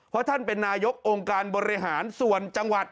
เพราะท่านเป็นนายกองค์การบริหารส่วนจังหวัด